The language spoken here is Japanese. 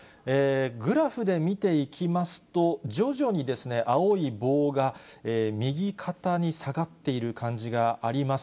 グラフで見ていきますと、徐々に青い棒が右肩に下がっている感じがあります。